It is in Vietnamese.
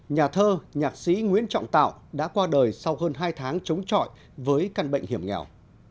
nhà thơ nhạc sĩ nguyễn trọng tạo đã qua đời sau hơn hai tháng chống trọi với căn bệnh hiểm nghèo